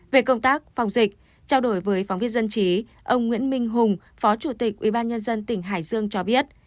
về công tác phòng dịch trao đổi với phóng viên dân trí ông nguyễn minh hùng phó chủ tịch ubnd tỉnh hải dương cho biết